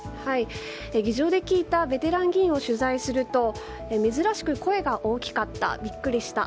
議場で聞いたベテラン議員を取材すると珍しく声が大きかったビックリした。